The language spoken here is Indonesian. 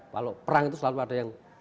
kalau perang itu selalu ada yang